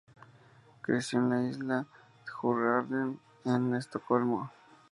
Creció en la isla de Djurgården en Estocolmo.